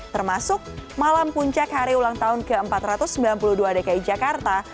termasuk malam puncak hari ulang tahun ke empat ratus sembilan puluh dua dki jakarta